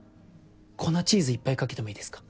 粉チーズいっぱいかけてもいいですか？